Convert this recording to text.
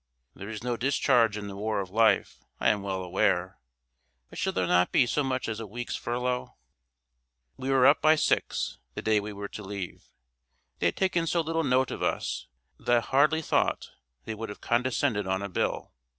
There is no discharge in the war of life, I am well aware; but shall there not be so much as a week's furlough? We were up by six, the day we were to leave. They had taken so little note of us that I hardly thought they would have condescended on a bill.